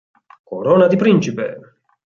Corona di principe.